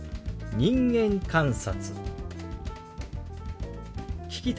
「人間観察」。